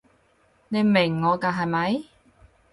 你明我㗎係咪？